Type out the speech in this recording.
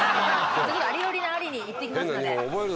アリよりのアリに行ってきますので。